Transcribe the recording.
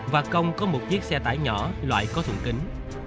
và công có một chiếc xe tải nhỏ loại có thùng kính